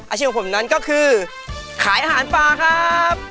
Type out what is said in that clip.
อาชีพของผมนั้นก็คือขายอาหารปลาครับ